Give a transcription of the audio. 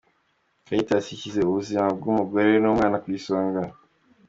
Caritas ishyize ubuzima bw’umugore n’umwana ku isonga.